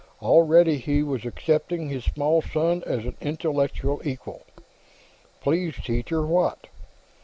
Already, he was accepting his small son as an intellectual equal. "Please, teacher; what?"